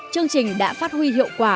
chương trình đã phát huy hiệu quả